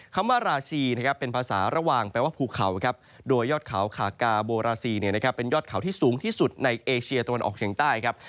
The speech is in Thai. คำว่าราชีนะครับเป็นภาษาระหว่างแปลว่าภูเขาครับโดยยอดเขาคากาโบราซีเป็นยอดเขาที่สูงที่สุดในเอเชียตะวันออกเฉียงใต้ครับ